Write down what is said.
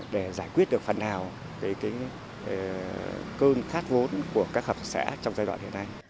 để giải quyết được phần nào cơn khát vốn của các hợp xã trong giai đoạn hiện nay